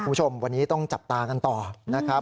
คุณผู้ชมวันนี้ต้องจับตากันต่อนะครับ